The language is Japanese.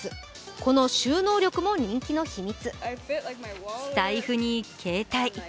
この収納力も人気の秘密。